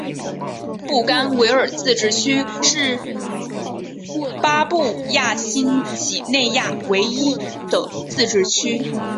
布干维尔自治区是巴布亚新几内亚唯一的自治区。